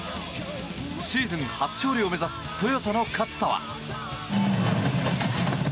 シーズン初勝利を目指すトヨタの勝田は。